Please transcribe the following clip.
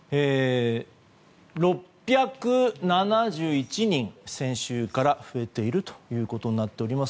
６７１人、先週から増えていることになっています。